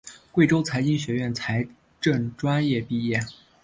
贵州财经学院财政专业毕业。